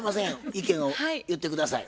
意見を言って下さい。